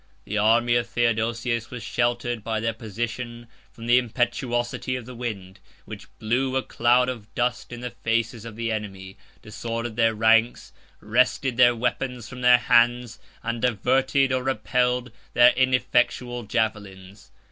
The army of Theodosius was sheltered by their position from the impetuosity of the wind, which blew a cloud of dust in the faces of the enemy, disordered their ranks, wrested their weapons from their hands, and diverted, or repelled, their ineffectual javelins.